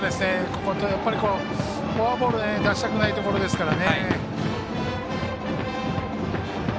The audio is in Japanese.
やっぱりフォアボール出したくないところですから。